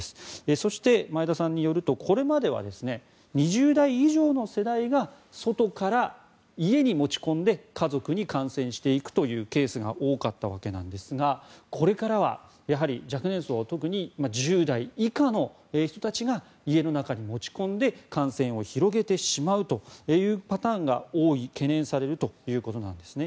そして、前田さんによるとこれまでは、２０代以上の世代が外から家に持ち込んで、家族に感染していくというケースが多かったわけなんですがこれからは若年層特に１０代以下の人が家の中に持ち込んで感染を広げてしまうというパターンが多い懸念がされるということなんですね。